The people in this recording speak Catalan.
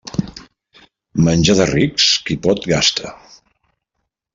Menjar de rics; qui pot, gasta.